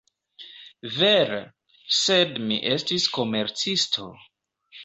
Vere! sed mi estis komercisto!